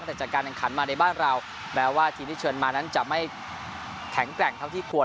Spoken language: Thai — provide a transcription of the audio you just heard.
แต่จากการแข่งขันมาในบ้านเราแม้ว่าทีมที่เชิญมานั้นจะไม่แข็งแกร่งเท่าที่ควร